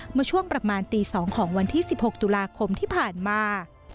เมื่อช่วงประมาณตี๒ของวันที่๑๖ตุลาคมที่ผ่านมา